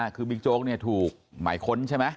คือบิ๊กโจ๊กถูกหมายค้นใช่ไหม